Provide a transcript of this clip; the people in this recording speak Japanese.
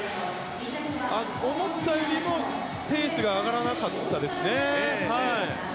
思ったよりもペースが上がらなかったですね。